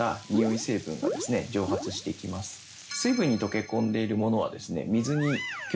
水分に溶け込んでいるものは。